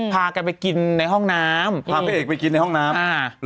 พากันไปกินในห้องน้ำพาพระเอกไปกินในห้องน้ำ